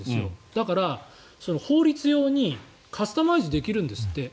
だから、法律用にカスタマイズできるんですって。